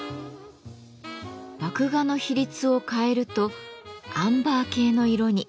麦芽の比率を変えるとアンバー系の色に。